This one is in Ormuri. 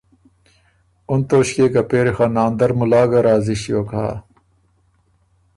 ”اُن توݭکيې که پېری خه ناندر مُلا ګه راضی ݭیوک هۀ